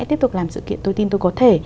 tiếp tục làm sự kiện tôi tin tôi có thể